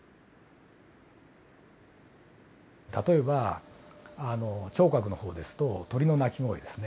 例えば聴覚の方ですと鳥の鳴き声ですね。